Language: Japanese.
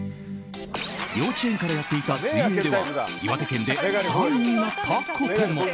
幼稚園からやっていた水泳では岩手県で３位になったことも。